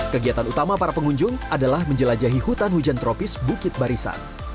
kegiatan utama para pengunjung adalah menjelajahi hutan hujan tropis bukit barisan